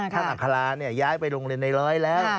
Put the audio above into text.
ท่านอัคาราเนี่ยย้ายไปโรงเรียนในร้อยแล้ว